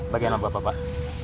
bagian apa bapak